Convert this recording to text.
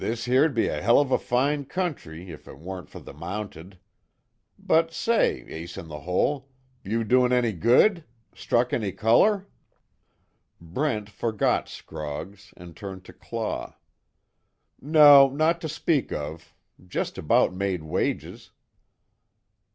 "This here'd be a hell of a fine country, if it wasn't fer the Mounted. But, say, Ace In The Hole, you doin' any good? Struck any color?" Brent forgot Scroggs and turned to Claw: "No, not to speak of. Just about made wages."